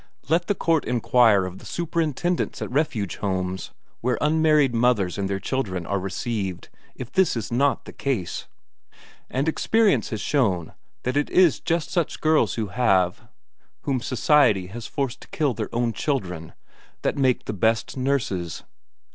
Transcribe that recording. Let the court inquire of the superintendents at refuge homes, where unmarried mothers and their children are received, if this is not the case. And experience has shown that it is just such girls who have whom society has forced to kill their own children, that make the best nurses.